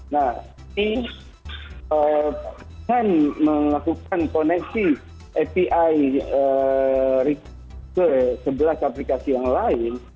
nah ini dengan melakukan koneksi api ke sebelas aplikasi yang lain